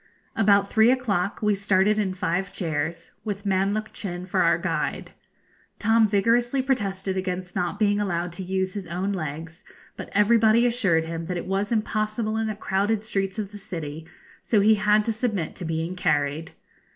About three o'clock we started in five chairs, with Man look Chin for our guide. Tom vigorously protested against not being allowed to use his own legs, but everybody assured him that it was impossible in the crowded streets of the city, so he had to submit to being carried.